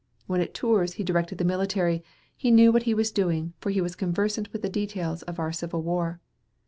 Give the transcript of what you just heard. When at Tours he directed the military, he knew what he was doing, for he was conversant with the details of our civil war.